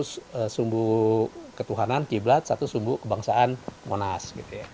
satu sumbu ketuhanan kiblat satu sumbu kebangsaan monas